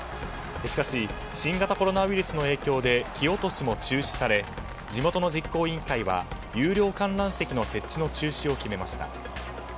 しかし新型コロナウイルスの影響で木落しも中止され地元の実行委員会は有料観覧席の設置の中止を決めました。